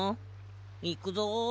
いくぞ。